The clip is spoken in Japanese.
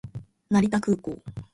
成田空港